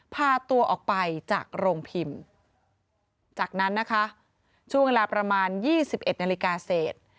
พาตัวออกไปจากโรงพิมพ์จากนั้นนะคะช่วงเวลาประมาณ๒๑นาฬิกาเศษ